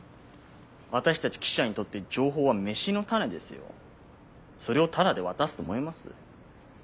私たち記者にとって情報は飯のタネですよ？それをタダで渡すと思います？